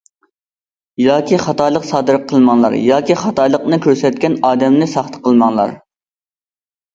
ياكى خاتالىق سادىر قىلماڭلار ياكى خاتالىقنى كۆرسەتكەن ئادەمنى ساختا قىلماڭلار.